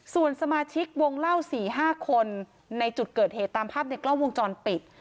ส่วนสมาชิกวงเล่า๔๕คนในจุดเกิดเหตุตามภาพในกล้องวงจรปิด